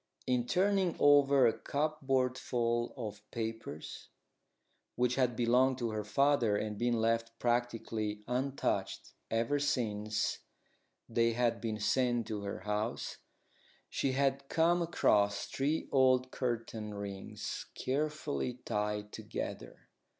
In turning over a cupboardful of papers, which had belonged to her father and been left practically untouched ever since they had been sent to her house, she had come across three old curtain rings carefully tied together.